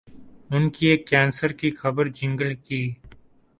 ان کے کینسر کی خبر جنگل کی